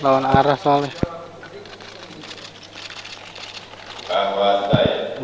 bahwa saya akan setia dan tahan